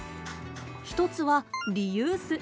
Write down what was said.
一つはリユース。